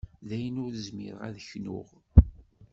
Dayen ur zmireɣ ad knuɣ.